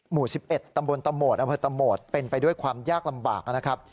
หมู่๑๑ตำบลตะโหมดอำเภอตะโหมดเป็นไปด้วยความยากลำบากนะครับ